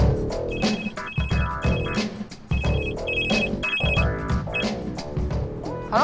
yang super jenis khusus apa ngga sih